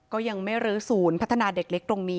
ก็ยังไม่รื้อศูนย์พัฒนาเด็กเล็กตรงนี้